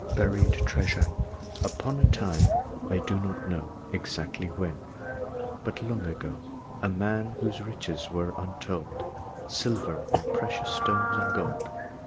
BURIED TREASURE. Upon a time I do not know Exactly when, but long ago A man whose riches were untold, Silver and precious stones and gold.